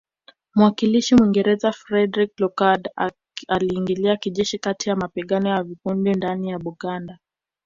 Mwakilishi Mwingereza Frederick Lugard aliingilia kijeshi kati ya mapigano ya vikundi ndani ya Buganda